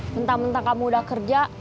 bentang bentang kamu udah kerja